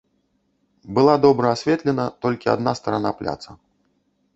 Была добра асветлена толькі адна старана пляца.